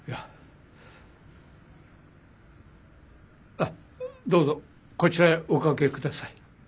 あっどうぞこちらへお掛けください。